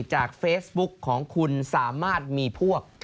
จากเฟซบุ๊กของคุณสามารถมีพวก